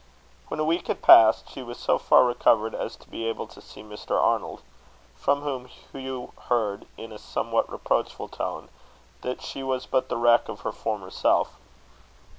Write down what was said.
When a week had passed, she was so far recovered as to be able to see Mr. Arnold; from whom Hugh heard, in a somewhat reproachful tone, that she was but the wreck of her former self.